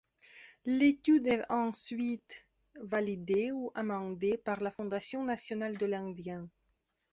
L'étude est ensuite validée ou amendée par la Fondation Nationale de l'Indien.